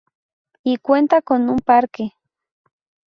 Y cuenta con un parque.